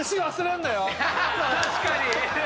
確かに。